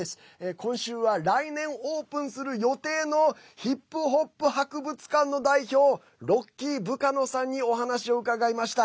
今週は来年オープンする予定のヒップホップ博物館の代表ロッキー・ブカノさんにお話を伺いました。